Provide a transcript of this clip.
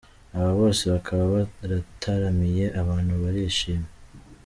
Aba bose bakaba barataramiye abantu barishima.